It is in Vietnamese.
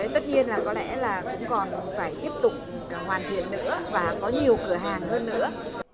tất nhiên là có lẽ là cũng còn phải tiếp tục hoàn thiện nữa và có nhiều cửa hàng hơn nữa